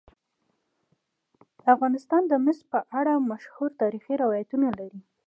افغانستان د مس په اړه مشهور تاریخی روایتونه لري.